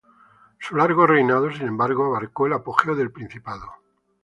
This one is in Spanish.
Su largo reinado, sin embargo, abarcó el apogeo del principado.